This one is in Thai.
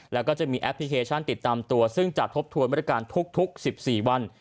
แล้วก็จะมีแอปพลิเคชันติดตามตัวซึ่งจะทบทวนมาตรการทุก๑๔วัน